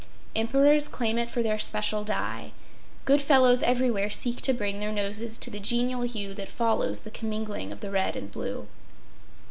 Emperors claim it for their especial dye. Good fellows everywhere seek to bring their noses to the genial hue that follows the commingling of the red and blue.